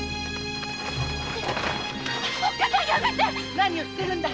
何を言ってるんだい！